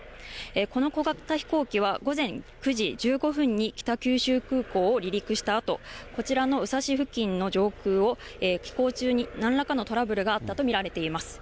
この小型飛行機は午前９時１５分に北九州空港を離陸したあと、こちらの宇佐市付近の上空を飛行中に、なんらかのトラブルがあったと見られています。